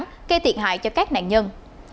gây thiệt hại cho các nạn nhân